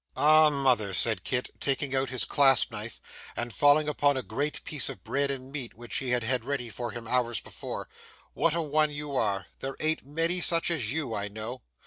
'Ah, mother!' said Kit, taking out his clasp knife, and falling upon a great piece of bread and meat which she had had ready for him, hours before, 'what a one you are! There an't many such as you, I know.